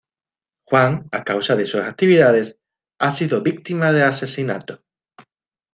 Juan, a causa de sus actividades, ha sido víctima de asesinato.